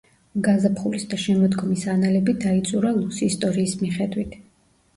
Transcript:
გაზაფხულის და შემოდგომის ანალები დაიწერა ლუს ისტორიის მიხედვით.